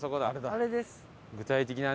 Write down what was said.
あれです。